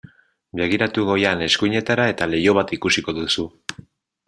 Begiratu goian eskuinetara eta leiho bat ikusiko duzu.